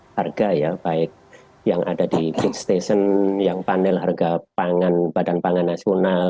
harga ya baik yang ada di food station yang panel harga pangan badan pangan nasional